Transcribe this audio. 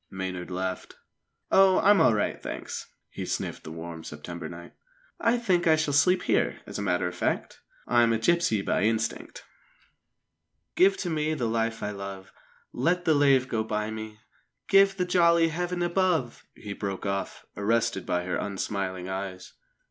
Maynard laughed. "Oh, I'm all right, thanks!" He sniffed the warm September night. "I think I shall sleep here, as a matter of fact. I'm a gipsy by instinct "'Give to me the life I love, Let the lave go by me, Give the jolly Heaven above '" He broke off, arrested by her unsmiling eyes.